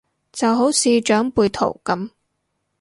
就好似長輩圖咁